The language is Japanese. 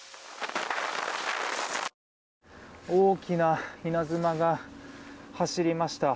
大きな稲妻が走りました。